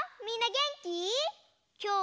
みんなげんき？